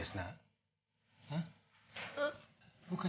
ketawa sama opa davin